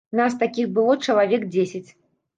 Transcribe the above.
Нас такіх было чалавек дзесяць.